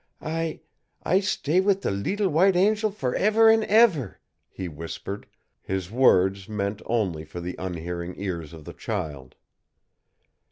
"I I stay with the leetle white angel for ever and ever!" he whispered, his words meant only for the unhearing ears of the child.